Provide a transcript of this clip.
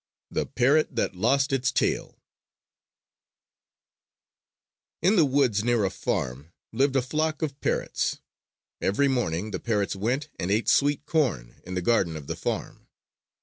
THE PARROT THAT LOST ITS TAIL In the woods near a farm lived a flock of parrots. Every morning, the parrots went and ate sweet corn in the garden of the farm.